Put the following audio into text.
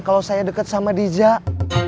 kalo saya deket sama dijak